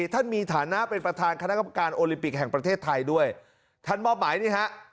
ท่านมีฐานะเป็นประธานคณะกรรมการโอลิมปิกแห่งประเทศไทยด้วยท่านมอบหมายนี่ฮะ